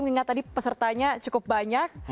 mengingat tadi pesertanya cukup banyak